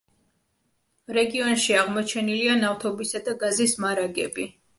რეგიონში აღმოჩენილია ნავთობისა და გაზის მარაგები.